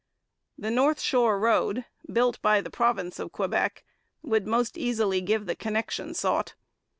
The North Shore road, built by the province of Quebec, would most easily give the connection sought.